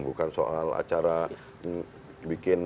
bukan soal acara bikin